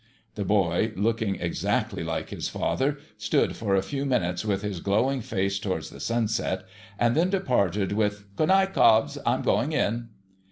The boy, looking exacdy like his father, stood for a few minutes with his glowing face towards the sunset, and then departed with, ' Good night, Cobbs. I'm going in.'